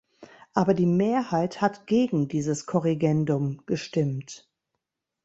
Aber die Mehrheit hat gegen dieses Korrigendum gestimmt.